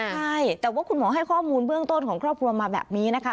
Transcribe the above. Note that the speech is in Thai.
ใช่แต่ว่าคุณหมอให้ข้อมูลเบื้องต้นของครอบครัวมาแบบนี้นะคะ